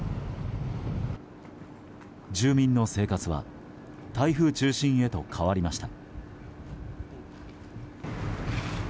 住民の生活は台風中心へと変わりました。